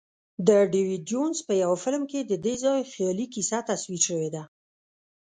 د ډیویډ جونز په یوه فلم کې ددې ځای خیالي کیسه تصویر شوې ده.